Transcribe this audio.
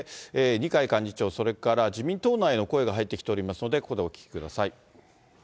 二階幹事長、それから自民党内の声が入ってきておりますので、ここでお聞きください。